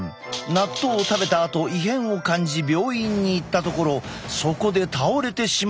納豆を食べたあと異変を感じ病院に行ったところそこで倒れてしまったという。